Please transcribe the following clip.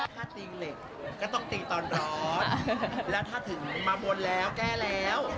ถ้าตีงเหล็กก็ต้องตีตอนร้อนแล้วถ้าถึงมาบนแล้วแก้แล้ว